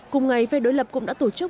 cùng ngày phe đối lập cũng đã tổ chức